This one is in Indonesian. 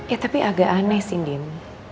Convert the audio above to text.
ya tapi agak aneh sih diem